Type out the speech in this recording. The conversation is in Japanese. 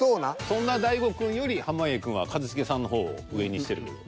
そんな大悟くんより濱家くんは一茂さんの方を上にしてるけど。